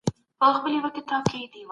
آیا احمد بېدېدی که بېداره وو؟